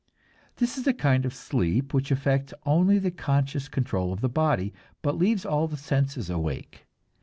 This is a kind of sleep which affects only the conscious control of the body, but leaves all the senses awake.